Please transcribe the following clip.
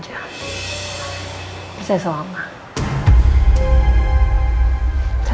aku akan baik baik saja mama akan baik baik saja